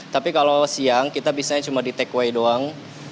tapi kalau siang kita biasanya cuma di take away doang